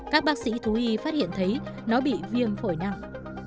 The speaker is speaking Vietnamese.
các bác sĩ thú y phát hiện thấy nó bị viêm phổi nặng